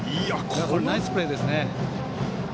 ナイスプレーですね。